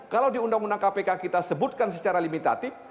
kalau di undang undang kpk kita sebutkan secara limitatif